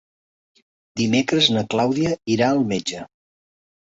Dimecres na Clàudia irà al metge.